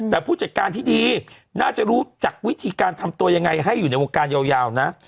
แต่ผู้จัดการที่ดีน่าจะรู้จักวิธีการทำตัวยังไงให้อยู่ในวงการยาวนะ